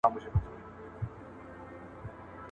• د زور ياري، د خره سپارکي ده.